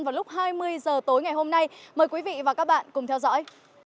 vào lúc hai mươi h tối ngày hôm nay mời quý vị và các bạn cùng theo dõi